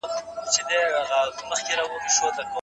شاه محمود د خپلو پوځیانو لباسونو ته پام نه کاوه.